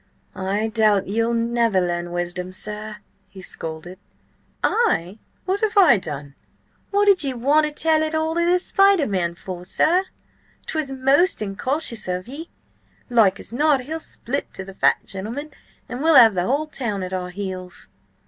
"I doubt ye'll never learn wisdom, sir," he scolded. "I? What have I done?" "What did ye want to tell it all to the spider man for, sir? 'Twas most incautious of ye. Like as not, he'll split to the fat gentleman, and we'll have the whole town at our heels."